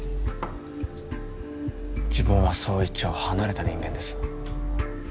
自分は捜一を離れた人間です